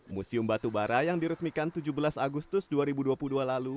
museum batubara yang diresmikan tujuh belas agustus dua ribu dua puluh dua lalu